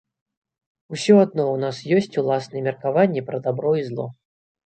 Усё адно ў нас ёсць уласныя меркаванні пра дабро і зло.